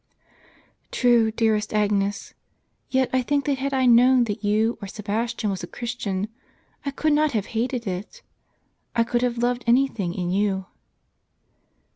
"True, dearest Agnes; yet I think that had I known that you, or Sebastian, was a Christian, I could not have hated it. I could have loved any thing in you."